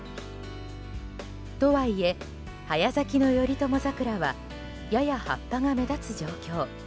とはいえ、早咲きの頼朝桜はやや葉っぱが目立つ状況。